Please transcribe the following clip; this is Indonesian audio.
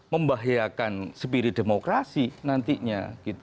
membahayakan spirit demokrasi nantinya